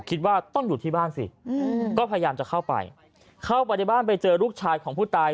คิดว่าต้องอยู่ที่บ้านสิก็พยายามจะเข้าไปเข้าไปในบ้านไปเจอลูกชายของผู้ตาย